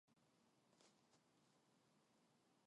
그래두 우리들 보구 웃으시는 걸 보니깐 어떻게 반가운지 눈물이 나겠지요.